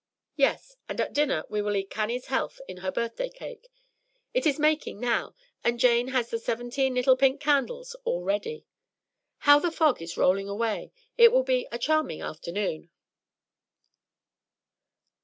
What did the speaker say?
"Yes; and at dinner we will eat Cannie's health in her birthday cake. It is making now, and Jane has the seventeen little pink candles all ready. How the fog is rolling away! It will be a charming afternoon."